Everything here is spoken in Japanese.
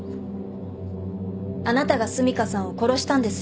あなたが澄香さんを殺したんですよね。